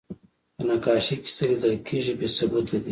په نقاشۍ کې چې څه لیدل کېږي، بې ثبوته دي.